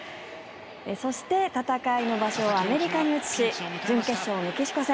そして戦いの場所をアメリカに移し準決勝メキシコ戦。